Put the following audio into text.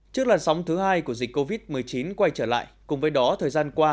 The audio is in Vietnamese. trước làn sóng thứ hai của dịch covid một mươi chín quay trở lại cùng với đó thời gian qua